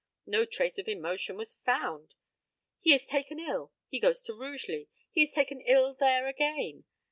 No trace of emotion was found. He is taken ill. He goes to Rugeley. He is taken ill there again.